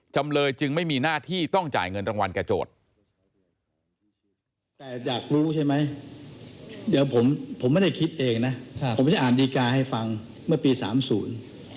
จำเลยจึงไม่มีหน้าที่ต้องจ่ายเงินรางวัลกับโจทย์